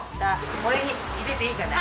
これに入れていいかな？